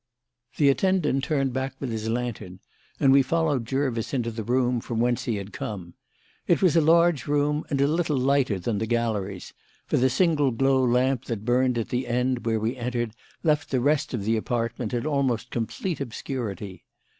The attendant turned back with his lantern, and we followed Jervis into the room from whence he had come. It was a large room, and little lighter than the galleries, for the single glow lamp that burned at the end where we entered left the rest of the apartment in almost complete obscurity.